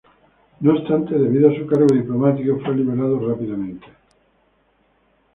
No obstante, debido a su cargo diplomático, fue liberado rápidamente.